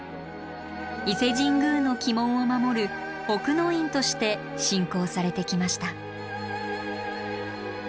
伊勢神宮の鬼門を守る「奥の院」として信仰されてきました。